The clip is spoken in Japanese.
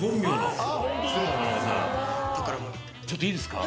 ちょっといいですか？